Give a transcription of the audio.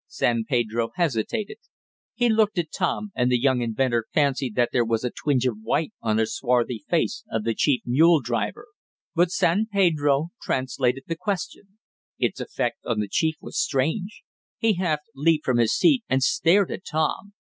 San Pedro hesitated. He looked at Tom, and the young inventor fancied that there was a tinge of white on the swarthy face of the chief mule driver. But San Pedro translated the question. Its effect on the chief was strange. He half leaped from his seat, and stared at Tom.